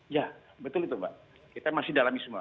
ya betul itu mbak kita masih dalami semua